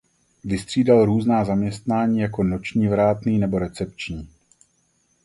Vystřídal různá zaměstnání jako noční vrátný nebo recepční.